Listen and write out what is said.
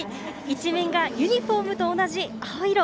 一面がユニフォームと同じ青色。